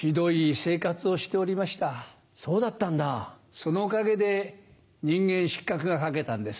そのおかげで『人間失格』が書けたんです。